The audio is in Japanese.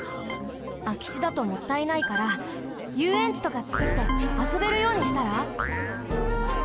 あきちだともったいないからゆうえんちとかつくってあそべるようにしたら？